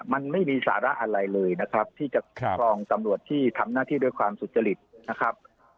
มันไม่มีสาระอะไรเลยนะครับที่จะครอบครองตำรวจที่ทำหน้าที่ด้วยความสุจริตนะครับ